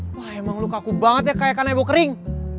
wah emang lo kaku banget ya kayak kanebo kering